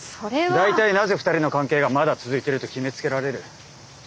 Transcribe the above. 大体なぜ２人の関係がまだ続いてると決めつけられる。